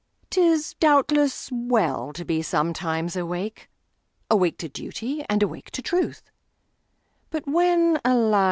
'T is, doubtless, well to be sometimes awake,—Awake to duty, and awake to truth,—But when, alas!